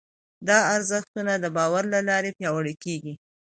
دا ارزښتونه د باور له لارې پياوړي کېږي.